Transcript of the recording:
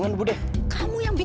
habis ada juga saya di sini